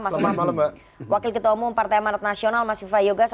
mas fiva wakil ketua umum partai emanat nasional mas fiva yoga